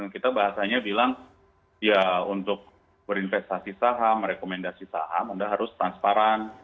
dan kita bahasanya bilang ya untuk berinvestasi saham merekomendasi saham anda harus transparan